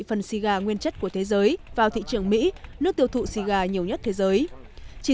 phần siga nguyên chất của thế giới vào thị trường mỹ nước tiêu thụ siga nhiều nhất thế giới chỉ